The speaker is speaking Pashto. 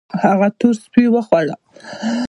هغه تور سپي وخواړه